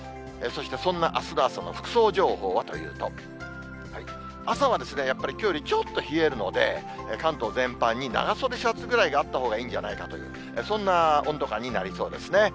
そして、そんなあすの朝の服装情報はというと、朝はやっぱりきょうよりちょっと冷えるので、関東全般に長袖シャツぐらいがあったほうがいいんじゃないかという、そんな温度感になりそうですね。